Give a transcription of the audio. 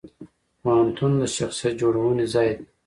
پوهنتون د شخصیت جوړونې ځای دی.